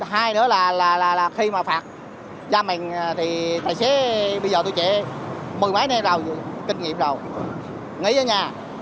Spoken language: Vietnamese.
hai nữa là khi mà phạt gia mệnh thì tài xế bây giờ tôi trễ mười mấy năm rồi kinh nghiệm rồi nghỉ ở nhà